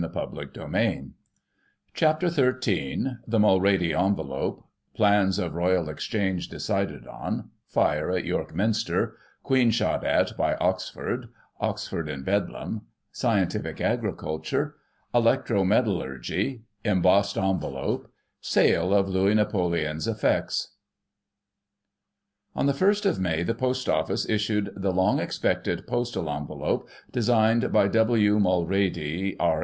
The Mulready Envelope — Plans of Royal Exchange decided on — Fire at York Minster — Queen shot at by Oxford — Oxford in Bedlam— Scientific Agricul ture — Electro metallurgy — Embossed envelope — Sale of Louis Napoleon's effects. On the 1st of May, the Post Office issued the long expected postal envelope designed by W. Mulready, R.